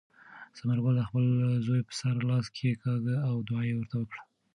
ثمرګل د خپل زوی په سر لاس کېکاږه او دعا یې ورته وکړه.